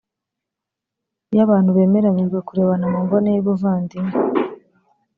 iyo abantu bemeranyijwe kurebana mu mboni y’ubuvandimwe